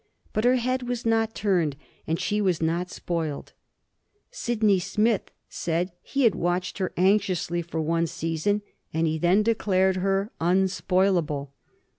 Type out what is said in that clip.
But her head was not turned, and she was not spoiled. Sydney Smith said he had watched her anxiously for one season, and he then declared her unspoilable.